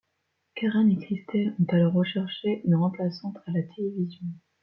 Karen et Kristel ont alors recherché une remplaçante à la télévision.